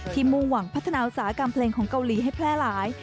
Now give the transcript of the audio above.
มุ่งหวังพัฒนาอุตสาหกรรมเพลงของเกาหลีให้แพร่หลาย